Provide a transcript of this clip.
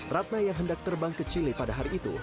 ratna yang hendak terbang ke chile pada hari itu